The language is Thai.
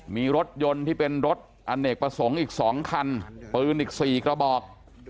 มีรถยนต์ที่เป็นรถอเนกประสงค์อีก๒คันปืนอีก๔กระบอก